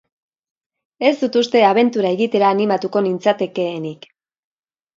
Ez dut uste abentura egitera animatuko nintzatekeenik.